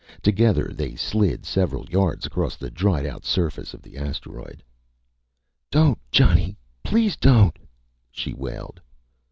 Together they slid several yards across the dried out surface of the asteroid. "Don't, Johnny please don't!" she wailed.